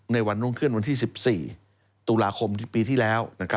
ในวันร่วงเคลื่อนวันที่๑๔ตุลาคมปีที่แล้ว